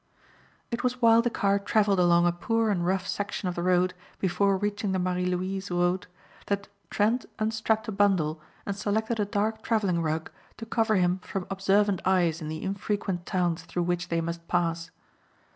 It was while the car travelled along a poor and rough section of the route before reaching the Marie Louise road that Trent unstrapped a bundle and selected a dark travelling rug to cover him from observant eyes in the infrequent towns through which they must pass.